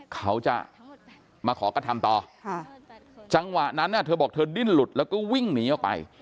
เขาจะมาขอกระทำต่อจังหวะนั้นเธอบอกเธอดิ้นหลุดแล้วก็วิ่งหนีออกไป